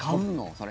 それ。